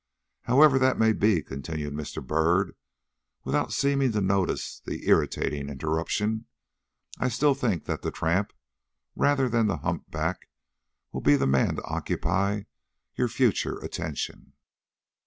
"However that may be," continued Mr. Byrd, without seeming to notice the irritating interruption, "I still think that the tramp, rather than the humpback, will be the man to occupy your future attention."